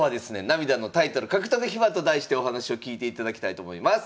「涙のタイトル獲得秘話」と題してお話を聞いていただきたいと思います。